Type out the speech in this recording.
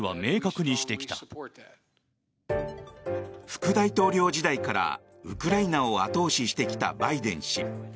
副大統領時代からウクライナを後押ししてきたバイデン氏。